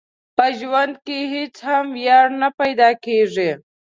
په ژوند کې هيڅ هم وړيا نه پيدا کيږي.